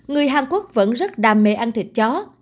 người hàn quốc vẫn rất đam mê ăn thịt chó